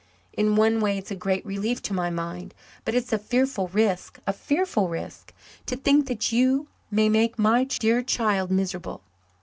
In one way it's a great relief to my mind. But it's a fearful risk a fearful risk. To think that you may make my dear child miserable!"